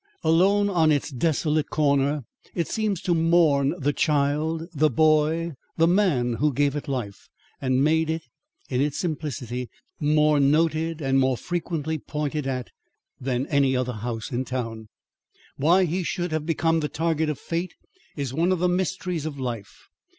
Alone on its desolate corner, it seems to mourn the child, the boy, the man who gave it life, and made it, in its simplicity, more noted and more frequently pointed at than any other house in town. "Why he should have become the target of Fate is one of the mysteries of life.